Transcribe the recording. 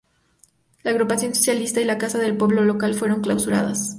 La agrupación socialista y la Casa del Pueblo local fueron clausuradas.